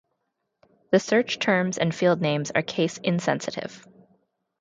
The search terms and field names are case-insensitive.